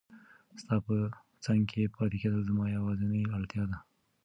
ستا په څنګ کې پاتې کېدل زما یوازینۍ اړتیا ده.